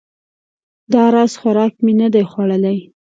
دا راز خوراک مې نه ده خوړلی